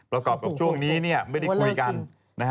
เรากอบว่าช่วงนี้เนี่ยไม่ได้คุยกัน